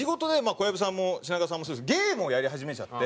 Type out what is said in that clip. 小籔さんも品川さんもそうですけどゲームをやり始めちゃって。